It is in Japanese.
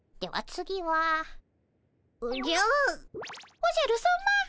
おじゃるさま？